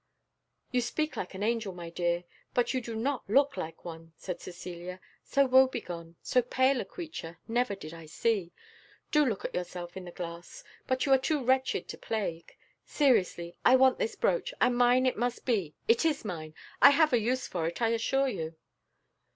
"You speak like an angel, my dear, but you do not look like one," said Cecilia. "So woe begone, so pale a creature, never did I see! do look at yourself in the glass; but you are too wretched to plague. Seriously, I want this brooch, and mine it must be it is mine: I have a use for it, I assure you."